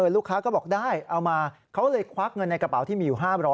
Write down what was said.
ลูกค้าก็บอกได้เอามาเขาเลยควักเงินในกระเป๋าที่มีอยู่๕๐๐